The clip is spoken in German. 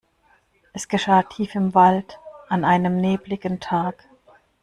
Es geschah tief im Wald an einem nebeligen Tag.